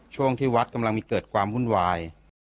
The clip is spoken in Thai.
ช่วงที่วัดกำลังมีเกิดความวุ่นวาย